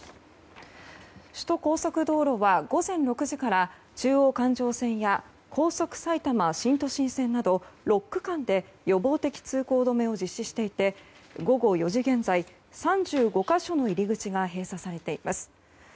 首都高速道路は午前６時から中央環状線や高速埼玉新都心線など６区間で予防的通行止めを実施していて午後４時現在、３５か所の入り口が閉鎖されています。